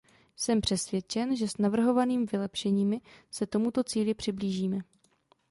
Jsem přesvědčen, že s navrhovanými vylepšeními se tomuto cíli přiblížíme.